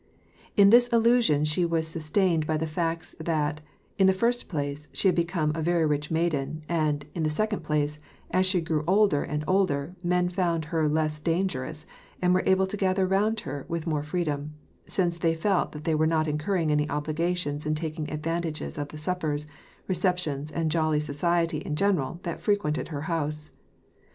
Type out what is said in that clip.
In this illusion she was sustained by the facts that, in the first place, she had become a very rich maiden, and, in the second place, as she grew older and older, men found her less danger ous, and were able to gather round her with more freedom, since they felt that they were not incurring any obligations in taking advantage of the suppers, receptions, and jolly so ciety in general that frequented her house.